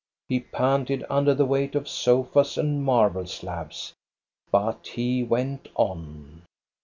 He panted under the weight of sofas and marble slabs ; but he went on.